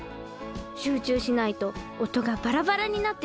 集中しないと音がバラバラになってしまいますから。